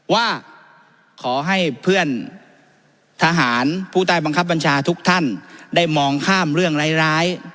ว่าขอให้เพื่อนทหารผู้ใต้บังคับบัญชาทุกท่านได้มองข้ามเรื่องร้าย